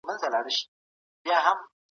د تیلیفوني اړیکو شمېر زیات شوی و.